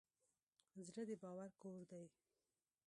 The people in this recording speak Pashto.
زړه د باور کور دی.